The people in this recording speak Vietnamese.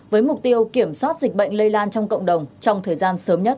với mục tiêu kiểm soát dịch bệnh lây lan trong cộng đồng trong thời gian sớm nhất